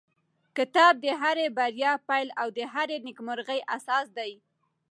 کتاب د هرې بریا پیل او د هرې نېکمرغۍ اساس دی.